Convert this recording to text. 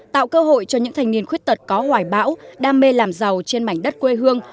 tạo cơ hội cho những thanh niên khuyết tật có hoài bão đam mê làm giàu trên mảnh đất quê hương